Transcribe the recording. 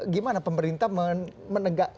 gimana pemerintah menegak